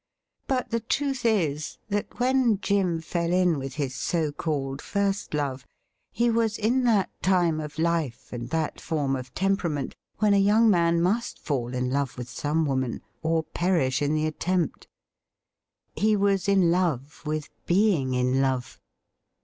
But the truth is that when Jim fell in with his so called first love, he was in that time of life and that form of tempera ment when a young man must fall in love with some woman or perish in the attempt. He was in love with being in love.